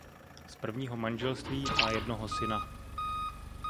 Z prvního manželství má jednoho syna.